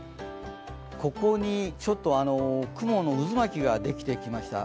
ここに雲の渦巻きができてきました。